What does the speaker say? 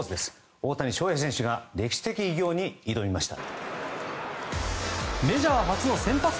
大谷翔平選手が歴史的偉業に挑みました。